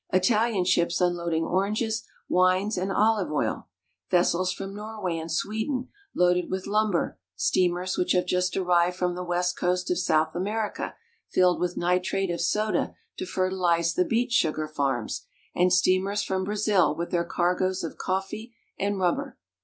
Italian ships unloading oranges, wines, and olive oil, vessels THE SEAPORTS OF GERMANY. 197 from Norway and Sweden loaded with lumber, steamers which have just arrived from the west coast of South America filled with nitrate of soda to fertilize the beet sugar farms, and steamers from Brazil with their cargoes of coffee and rubber.